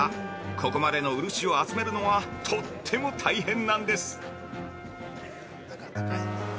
ここまでの漆を集めるのはとっても大変なんです。